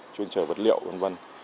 chuyên trở vật liệu v v